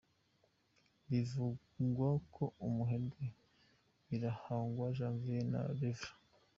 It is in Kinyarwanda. Bivugwa ko umuherwe Birahagwa Janvier na Rev.